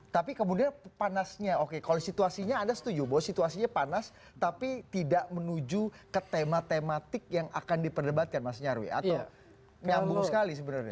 tapi kemudian panasnya oke kalau situasinya anda setuju bahwa situasinya panas tapi tidak menuju ke tema tematik yang akan diperdebatkan mas nyarwi atau nyambung sekali sebenarnya